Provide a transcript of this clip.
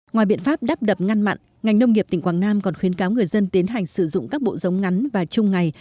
ngoài biện pháp đắp đập ngăn mặn ngành nông nghiệp tỉnh quảng nam còn khuyến cáo người dân tiến hành sử dụng các bộ giống ngắn và chung ngày